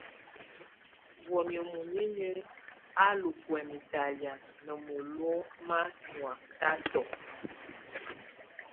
Wamɛ̀á munyinyǝ á lù kwɛ̀mɛ talɛ̀á ná molo ma nyɔakatɔ.